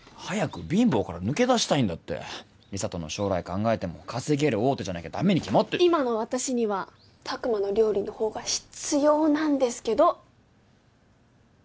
早く貧乏から抜け出したいんだって理紗との将来考えても稼げる大手じゃなきゃダメに決まって今の私には拓真の料理の方が必要なんですけど！